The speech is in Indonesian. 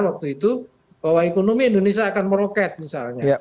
waktu itu bahwa ekonomi indonesia akan meroket misalnya